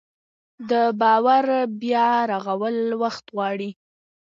د باور بیا رغول وخت غواړي